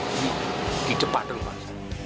tidak tahu dari arah mana pembak